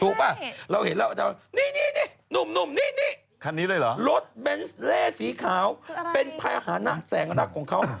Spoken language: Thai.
ถูกปะเราเห็นแล้วนี่หนุ่มรถเบนส์เล่สีขาวเป็นภายอาหารแสงรักของเขา